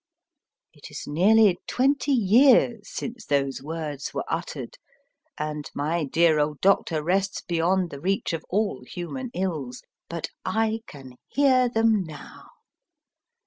It is nearly twenty years since those words were uttered, and my dear old doctor rests beyond the reach of all human ills, but I can hear them now.